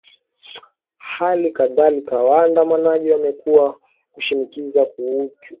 hali kadhalika waandamanaji wamekuwa kushinikiza kuachiwa uhuru kwa wafungwa tisa wa madhehebu ya kishia